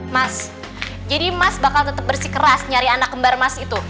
mas jadi mas bakal tetap bersih keras nyari anak kembar mas itu